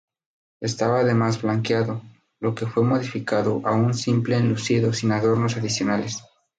Estaba además blanqueado, lo que fue modificado a un simple enlucido sin adornos adicionales.